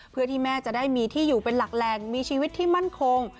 เพื่อที่แม่จะได้มีที่อยู่เป็นหลักแหล่งมีชีวิตที่มั่นคง